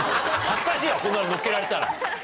恥ずかしいわこんなの載っけられたら。